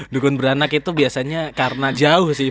dukun beranak itu biasanya karena jauh sih